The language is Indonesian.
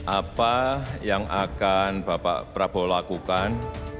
apa yang akan bapak prabowo lakukan